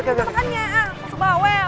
tekannya masuk bawel